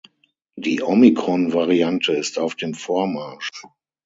Die Omikron Variante ist auf dem Vormarsch.